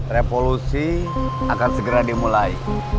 revolusi akan segera dimulai